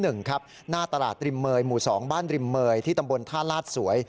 หน้าตลาดริมเมย์หมู่๒บ้านริมเมยที่ตำบลท่าลาดสวย